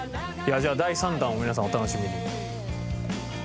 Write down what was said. じゃあ第３弾を皆さんお楽しみに。